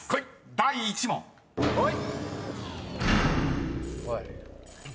第１問］こい！